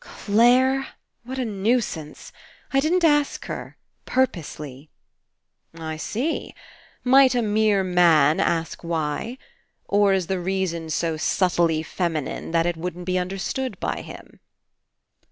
"Clare ! What a nuisance ! I didn't ask her. Purposely." "I see. Might a mere man ask why? Or is the reason so subtly feminine that it wouldn't be understood by him?"